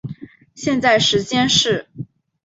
现在时间是。